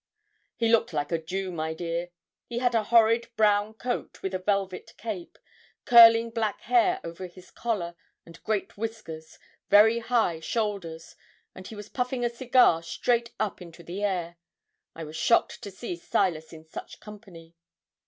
'He looked like a Jew, my dear. He had a horrid brown coat with a velvet cape, curling black hair over his collar, and great whiskers, very high shoulders, and he was puffing a cigar straight up into the air. I was shocked to see Silas in such company.'